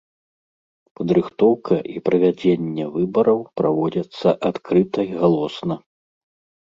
Падрыхтоўка і правядзенне выбараў праводзяцца адкрыта і галосна.